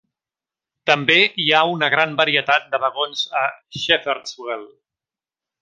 També hi ha una gran varietat de vagons a Shepherdswell.